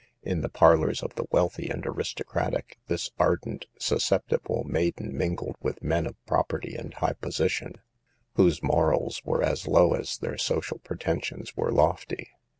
In the parlors of the wealthy and aristocratic, this ardent, susceptible maiden mingled with men of property and high position, whose morals were as low as their social pretensions were lofty.